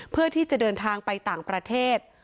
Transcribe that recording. เพื่อที่จะเดินทางไปต่างประเทศ